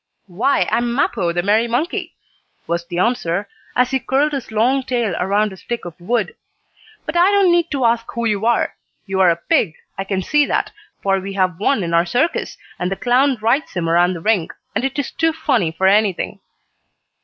"Why, I am Mappo, the merry monkey," was the answer, as he curled his long tail around a stick of wood. "But I don't need to ask who you are. You are a pig, I can see that, for we have one in our circus, and the clown rides him around the ring, and it is too funny for anything."